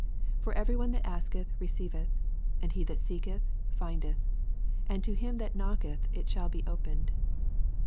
10 For every one that asketh re ceiveth ; and he that seeketh flndeth ; and to him that knocketh it shall be opened.